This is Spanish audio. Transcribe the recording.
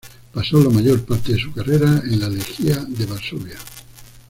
Pasó la mayor parte de su carrera en el Legia de Varsovia.